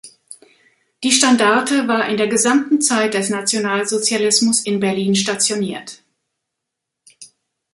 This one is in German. Die Standarte war in der gesamten Zeit des Nationalsozialismus in Berlin stationiert.